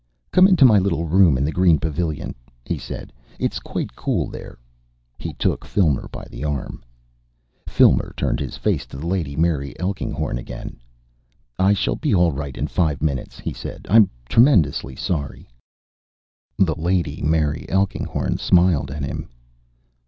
"Come into my little room in the green pavilion," he said. "It's quite cool there." He took Filmer by the arm. Filmer turned his face to the Lady Mary Elkinghorn again. "I shall be all right in five minutes," he said. "I'm tremendously sorry " The Lady Mary Elkinghorn smiled at him.